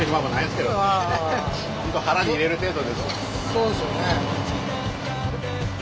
そうですよね。